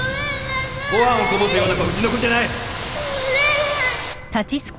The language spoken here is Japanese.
ご飯をこぼすような子はうちの子じゃない！